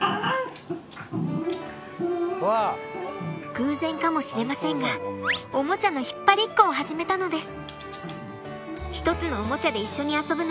偶然かもしれませんがおもちゃの引っ張りっこを始めたのです！